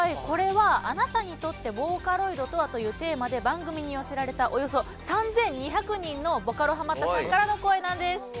これは「あなたにとってボーカロイドとは？」というテーマで番組に寄せられたおよそ３，２００人のボカロハマったさんからの声なんです。